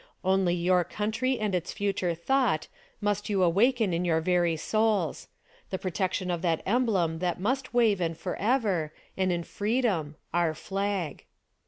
Only your country and its future thought must 3^ou awaken in your very souls ; the protection of that emblem that must wave and forever, and in free dom ; our flag.